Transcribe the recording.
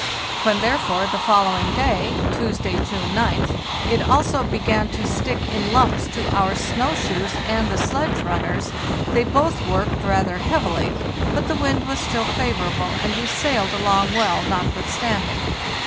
When, ra) therefore, the following day (Tuesday, June 9th), it also began to stick in lumps to our snow shoes and the sledge runners, they both worked rather heavily; but the wind was still favorable, and we sailed along well notwith standing.